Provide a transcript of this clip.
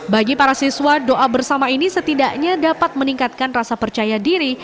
bagi para siswa doa bersama ini setidaknya dapat meningkatkan rasa percaya diri